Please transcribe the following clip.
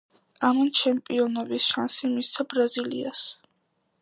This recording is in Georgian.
ამან ჩემპიონობის შანსი მისცა ბრაზილიას.